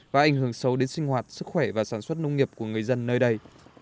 và ảnh hưởng xấu đến sinh hoạt sức khỏe và sản xuất nông nghiệp của người dân nơi đây